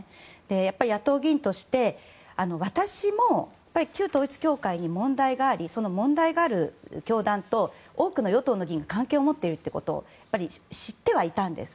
やっぱり野党議員として私も、旧統一教会に問題がありその問題がある教団と多くの与党の議員が関係を持っているってことを知ってはいたんです。